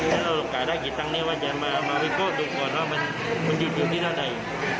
แล้วเราจะขายได้กี่ตังค์นี้ว่าจะมาวิเคราะห์ดูก่อนว่ามันอยู่ที่หน้าใด